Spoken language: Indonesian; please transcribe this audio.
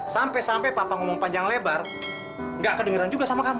sampai sampai papa ngomong panjang lebar nggak kedengeran juga sama kamu